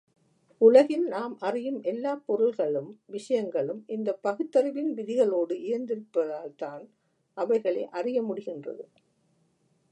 உலகில் நாம் அறியும் எல்லாப் பொருள்களும், விஷயங்களும் இந்தப் பகுத்தறிவின் விதிகளோடு இயைந்திருப்பதால்தான், அவைகளை அறிய முடிகின்றது.